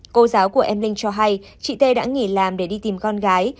cô giáo của em linh cho hay chị tê đã nghỉ làm để đi tìm con gái